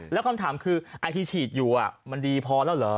แล้วคำถามคือไอ้ที่ฉีดอยู่มันดีพอแล้วเหรอ